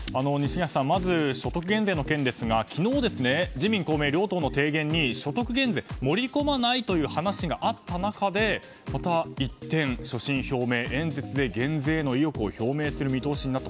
まず所得減税の件ですが昨日、自民・公明両党の低減に所得減税盛り込まないという話が合った中でまた一転、所信表明演説で減税への意欲を表明する見通しになった。